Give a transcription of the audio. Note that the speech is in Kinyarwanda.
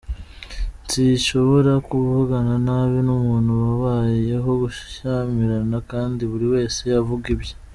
Nsinshobora kuvugana n’abi n’umuntu habayeho gushyamirana kandi buri wese avuga ibye.